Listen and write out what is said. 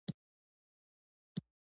افغانستان کي پښتو متونو څېړل سوي دي.